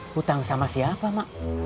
hutang sama siapa mak